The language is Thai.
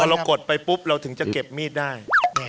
เรากดไปปุ๊บเราถึงจะเก็บมีดได้